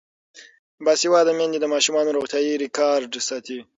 باسواده میندې د ماشومانو روغتیايي ریکارډ ساتي.